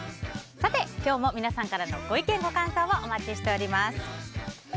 さて、今日も皆さんからのご意見ご感想をお待ちしております。